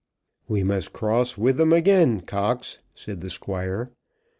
"We must cross with them again, Cox," said the Squire.